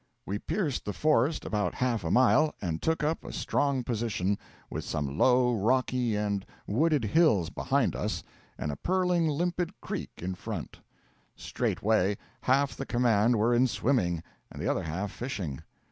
We pierced the forest about half a mile, and took up a strong position, with some low, rocky, and wooded hills behind us, and a purling, limpid creek in front. Straightway half the command were in swimming, and the other half fishing.